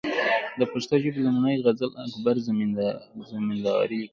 د پښتو ژبي لومړنۍ غزل اکبر زمینداوري ليکلې